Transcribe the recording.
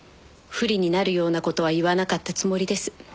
不利になるような事は言わなかったつもりです。